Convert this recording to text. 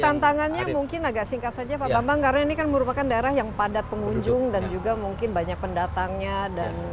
tantangannya mungkin agak singkat saja pak bambang karena ini kan merupakan daerah yang padat pengunjung dan juga mungkin banyak pendatangnya dan